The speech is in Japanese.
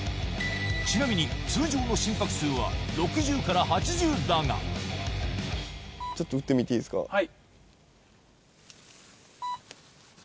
ちなみに、通常の心拍数は６０かちょっとうってみていいですはい。